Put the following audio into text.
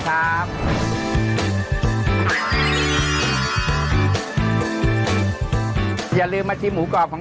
ปู่พญานาคี่อยู่ในกล่อง